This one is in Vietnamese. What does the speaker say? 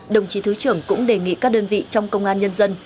đồng chí thứ trưởng cũng đề nghị các đơn vị trong công an nhân dân